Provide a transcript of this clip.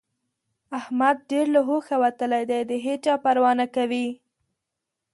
احمد ډېر له هوښه وتلی دی؛ د هيچا پروا نه کوي.